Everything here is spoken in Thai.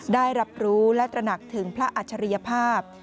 ได้รับรู้และตระหนักถึงพระอัจฉริยภาพ